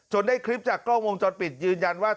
ได้คลิปจากกล้องวงจรปิดยืนยันว่า